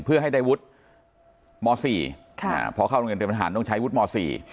เพื่อให้ได้วุฒิมสี่ค่ะพอเข้าโรงเรียนเตรียมทหารต้องใช้วุฒิมสี่